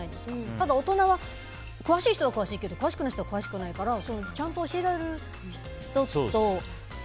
ただ大人は詳しい人は詳しいけど詳しくない人は詳しくないからちゃんと教えられる人と。